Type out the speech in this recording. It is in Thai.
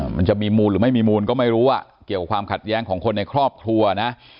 มันจะมีมูลหรือไม่มีมูลก็ไม่รู้เกี่ยวกับความขัดแย้งของคนในครอบครัวนะ